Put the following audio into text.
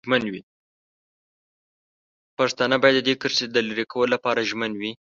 پښتانه باید د دې کرښې د لرې کولو لپاره ژمن وي.